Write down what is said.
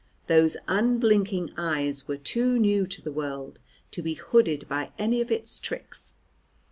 Those unblinking eyes were too new to the world to be hooded by any of its tricks.